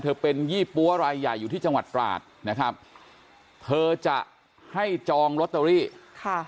เป็นยี่ปั๊วรายใหญ่อยู่ที่จังหวัดตราดนะครับเธอจะให้จองลอตเตอรี่ค่ะ